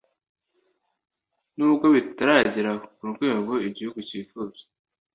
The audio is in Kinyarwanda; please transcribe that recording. nubwo bitaragera ku rwego igihugu cyifuza